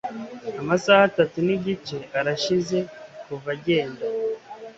Amasaha atatu nigice arashize kuva agenda.